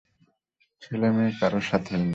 ছেলে মেয়ে কারো সাথেই না।